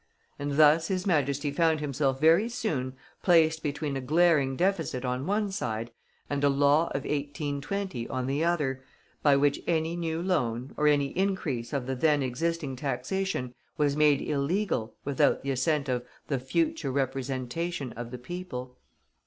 And thus His Majesty found himself very soon placed between a glaring deficit on one side, and a law of 1820 on the other, by which any new loan, or any increase of the then existing taxation was made illegal without the assent of "the future Representation of the People."